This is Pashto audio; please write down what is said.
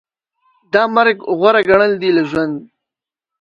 دا مرګ غوره ګڼل دي له ژوند